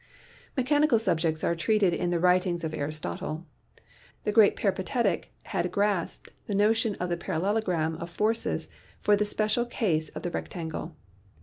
" Mechanical subjects are treated in the writings of Aristotle. The great peripatetic had grasped the notion of the parallelogram of forces for the special case of the rectangle.